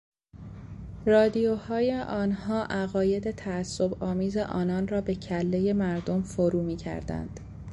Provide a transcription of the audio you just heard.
رادیوهای آنها عقاید تعصبآمیز آنان را به کلهی مردم فرو میکردند.